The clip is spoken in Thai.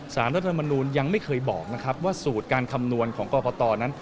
รัฐธรรมนูลยังไม่เคยบอกนะครับว่าสูตรการคำนวณของกรกตนั้น